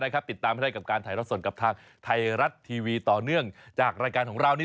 มามอบความสุขนานให้กับคุณผู้ชมเร็วหน่อย